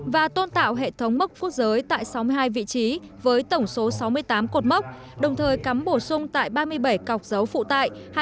và tôn tạo hệ thống mốc quốc giới tại sáu mươi hai vị trí với tổng số sáu mươi tám cột mốc đồng thời cắm bổ sung tại ba mươi bảy cọc dấu phụ tại